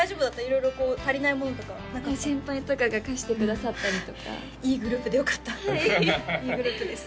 色々こう足りないものとか先輩とかが貸してくださったりとかいいグループでよかったいいグループです